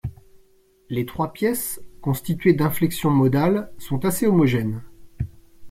Les trois pièces, constituées d'inflexions modales, sont assez homogènes.